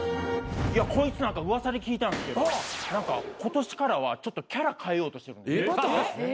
いやこいつ何か噂で聞いたんですけど今年からはちょっとキャラ変えようとしてるんです。